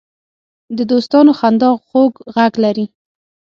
د دوستانو خندا خوږ غږ لري